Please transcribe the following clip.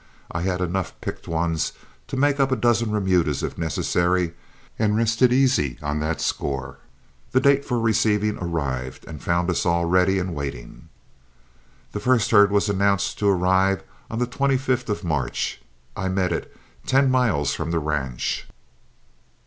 I had enough picked ones to make up a dozen remudas if necessary, and rested easy on that score. The date for receiving arrived and found us all ready and waiting. The first herd was announced to arrive on the 25th of March. I met it ten miles from the ranch.